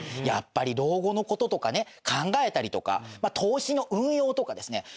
やっぱり老後の事とかね考えたりとかまあ投資の運用とかですね